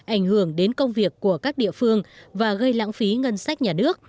ảnh hưởng đến công việc của các địa phương và gây lãng phí ngân sách nhà nước